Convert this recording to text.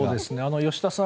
吉田さん